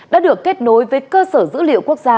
đã được kết nối với cơ sở dữ liệu quốc gia